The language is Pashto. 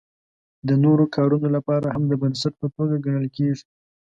د نورو کارونو لپاره هم د بنسټ په توګه ګڼل کیږي.